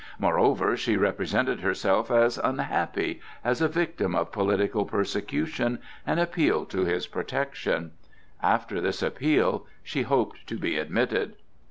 Moreover she represented herself as unhappy, as a victim of political persecution and appealed to his protection. After this appeal she hoped to be admitted.